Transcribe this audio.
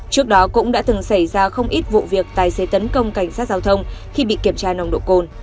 trước đó cũng đã từng xảy ra không ít vụ việc tài xế tấn công cảnh sát giao thông khi bị kiểm tra nồng độ cồn